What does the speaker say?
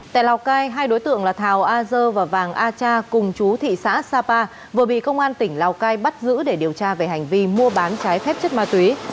tại lào cai hai đối tượng là thảo a dơ và vàng a cha cùng chú thị xã sapa vừa bị công an tỉnh lào cai bắt giữ để điều tra về hành vi mua bán trái phép chất ma túy